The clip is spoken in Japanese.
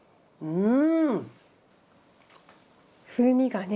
うん！